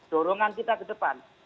dorongan kita ke depan